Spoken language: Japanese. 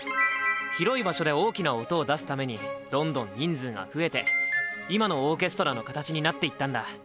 広い場所で大きな音を出すためにどんどん人数が増えて今のオーケストラの形になっていったんだ！